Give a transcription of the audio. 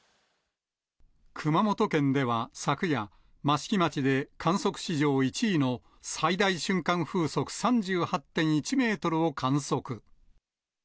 熊本県では昨夜、益城町で、観測史上１位の最大瞬間風速３８．１メートルを観測。